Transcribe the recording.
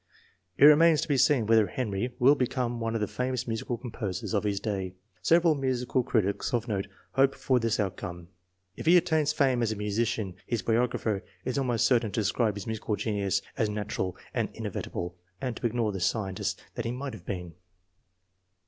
It remains to be seen whether Henry will become one of the famous musical composers of his day. Several musical critics of note hope for this outcome. If he attains fame as a musician, his biographer is almost certain to describe his musical genius as natu ral and inevitable, and to ignore the scientist that he might have been.